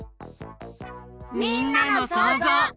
みんなのそうぞう。